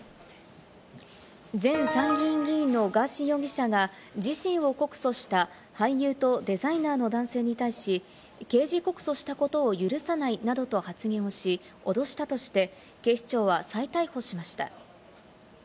前参議院議員のガーシー容疑者が自身を告訴した俳優とデザイナーの男性に対し、刑事告訴したことを許さないなどと発言をし、脅したとして、警視庁は再逮捕しました。